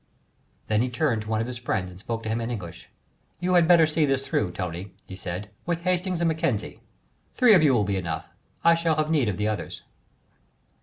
Then he turned to one of his friends and spoke to him in English: "You had better see this through, Tony," he said, "with Hastings and Mackenzie. Three of you will be enough: I shall have need of the others."